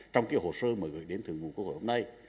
trong cái hồ sơ mà gửi đến thường vụ quốc hội hôm nay